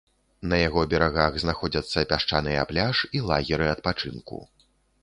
На яго берагах знаходзяцца пясчаныя пляж і лагеры адпачынку.